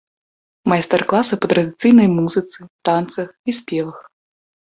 Майстар-класы па традыцыйнай музыцы, танцах і спевах.